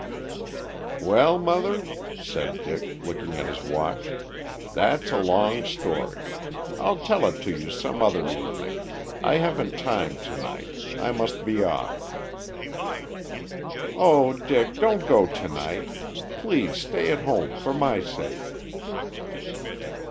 "Well, mother," said Dick, looking at his watch, "that's a long story. I'll tell it to you some other evening. I haven't time to night. I must be off." "Oh, Dick, don't go to night. Please stay at home, for my sake."